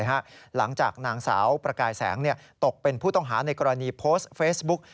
หลังจากนางสาวประกายแสงตกเป็นผู้ต้องหาในกรณีโพสต์เฟซบุ๊ก